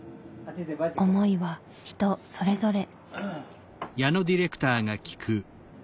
思いは人それぞれ。